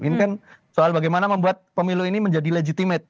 ini kan soal bagaimana membuat pemilu ini menjadi legitimate